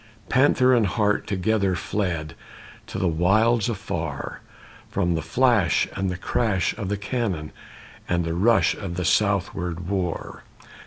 Panther and hart together Fled to the wilds afar, From the flash and the crash of the cannon And the rush of the southward war.